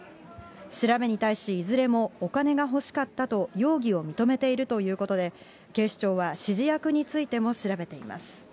調べに対し、いずれもお金が欲しかったと容疑を認めているということで、警視庁は指示役についても調べています。